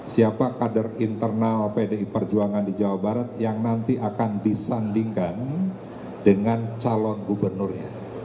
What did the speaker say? siapa kader internal pdi perjuangan di jawa barat yang nanti akan disandingkan dengan calon gubernurnya